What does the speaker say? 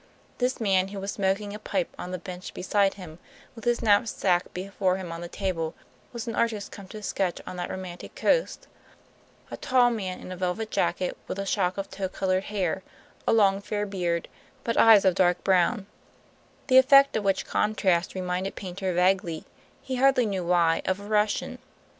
This man, who was smoking a pipe on the bench beside him, with his knapsack before him on the table, was an artist come to sketch on that romantic coast; a tall man in a velvet jacket, with a shock of tow colored hair, a long fair beard, but eyes of dark brown, the effect of which contrast reminded Paynter vaguely, he hardly knew why, of a Russian.